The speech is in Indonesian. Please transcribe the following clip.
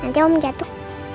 nanti om jatuh